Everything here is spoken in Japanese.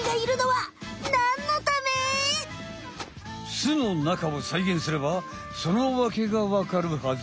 巣の中をさいげんすればそのわけがわかるはず！